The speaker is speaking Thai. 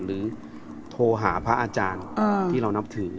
โทรหาพระอาจารย์ที่เรานับถือ